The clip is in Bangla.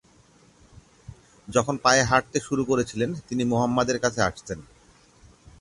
যখন পায়ে হাঁটতে শুরু করেছিলেন তিনি মুহাম্মদ এর কাছে আসতেন।